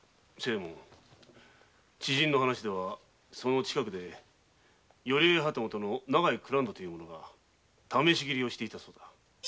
知人の話ではその近くで寄り合い旗本の長井蔵人という者が試し斬りをしていたそうだ。